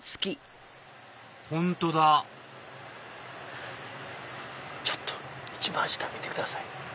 本当だちょっと一番下見てください。